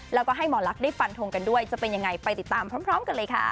แล้วก็ให้หมอลักษณ์ได้ฟันทงกันด้วยจะเป็นยังไงไปติดตามพร้อมกันเลยค่ะ